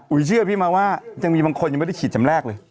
เชื่อพี่มาว่ายังมีบางคนยังไม่ได้ฉีดจำแรกเลย